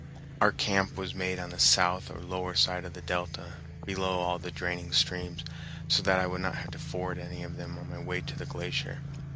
Our camp was made on the south or lower side of the delta, below all the draining streams, so that I would not have to ford any of them on my way to the glacier.